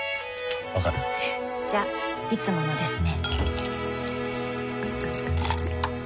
わかる？じゃいつものですね